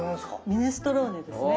ミネストローネですね。